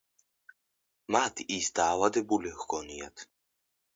მათ ის დაავადებული ჰგონიათ.